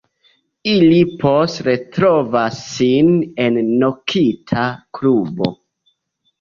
Ili poste retrovas sin en nokta klubo.